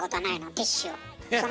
ティッシュを。